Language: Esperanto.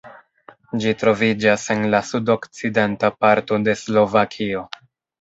Ĝi troviĝas en la sudokcidenta parto de Slovakio.